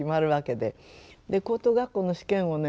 で高等学校の試験をね